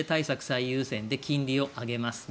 最優先で金利を上げます。